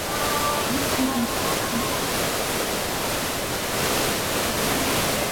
Alisema jambo muhimu ni kuchukua msimamo thabiti